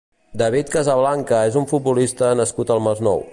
David Casablanca és un futbolista nascut al Masnou.